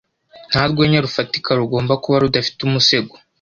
Nta rwenya rufatika rugomba kuba rudafite umusego.